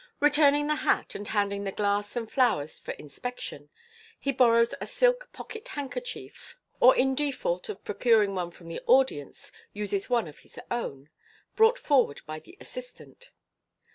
Returning the hat, and handing the glass and flowers for inspection, he borrows a silk pocket handkerchief, or. 414 MODERN MAGIC in default of procuring one from the audience, uses one of his own, brought forward by the assistant.